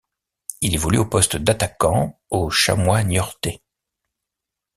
Il évolue au poste d'attaquant aux Chamois niortais.